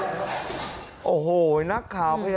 เสียตั้งใจสบายมากกว่าอะไรก็ค่ะ